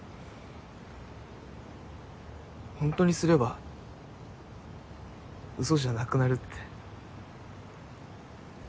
ほんとにすればうそじゃなくなるって。